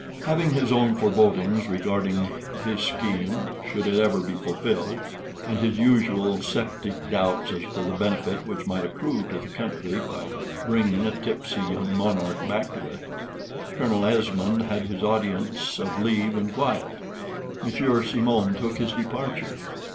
Having his own forebodings regarding his scheme should it ever be fulfilled, and his usual sceptic doubts as to the benefit which might accrue to the country by bringing a tipsy young monarch back to it, Colonel Esmond had his audience of leave and quiet. Monsieur Simon took his departure.